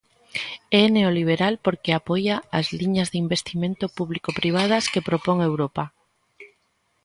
É neoliberal porque apoia as liñas de investimento público-privadas que propón Europa.